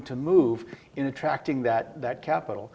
untuk bergerak dalam mencari kapital